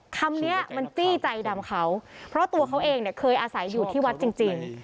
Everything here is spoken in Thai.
คำนี้มันจี้ใจดำเขาเพราะตัวเขาเองเนี่ยเคยอาศัยอยู่ที่วัดจริง